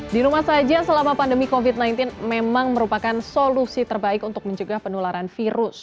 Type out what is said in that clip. di rumah saja selama pandemi covid sembilan belas memang merupakan solusi terbaik untuk mencegah penularan virus